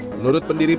menurut pendiri pbimu